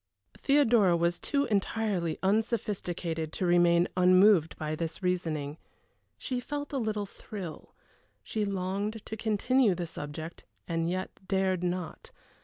Theodora was too entirely unsophisticated to remain unmoved by this reasoning. She felt a little thrill she longed to continue the subject, and yet dared not.